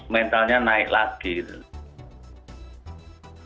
mentalnya naik lagi gitu